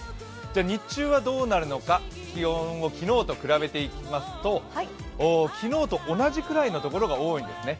日中はどうなるのか気温を昨日と比べていきますと昨日と同じくらいの所が多いんですね。